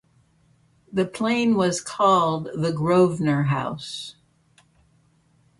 The plane was called the "Grosvenor House".